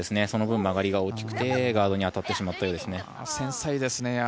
その分、曲がりが大きくてガードに当たってしまったようですね。